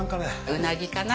うなぎかな。